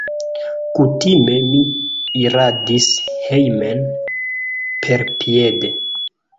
Kutime mi iradis hejmen perpiede.